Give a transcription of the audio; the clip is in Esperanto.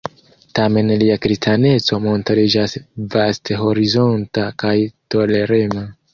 Tamen lia kristaneco montriĝas vasthorizonta kaj tolerema.